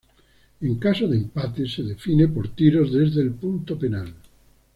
En caso de empate se define por tiros desde el punto penal.